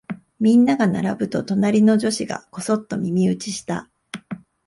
みんなが並ぶと、隣の女子がこそっと耳打ちした。